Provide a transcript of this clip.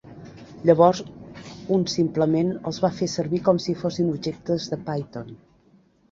Llavors un simplement els fa servir com si fossin objectes de Python.